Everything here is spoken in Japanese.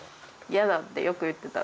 「嫌だ」ってよく言ってた。